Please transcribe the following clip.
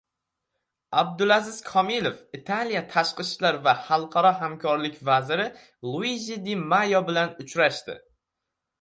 Abdulaziz Komilov Italiya Tashqi ishlar va xalqaro hamkorlik vaziri Luiji Di Mayo bilan uchrashdi